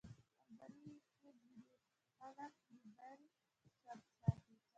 الماري کې ځینې خلک موبایل چارجر ساتي